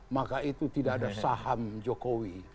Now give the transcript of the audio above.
maka itu tidak ada saham jokowi